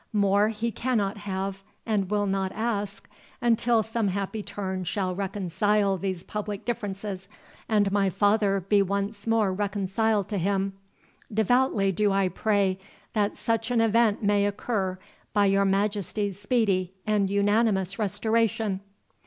More he cannot have, and will not ask, until some happy turn shall reconcile these public differences, and my father be once more reconciled to him. Devoutly do I pray that such an event may occur by your Majesty's speedy and unanimous restoration!"